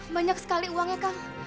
banyak sekali uang ya kang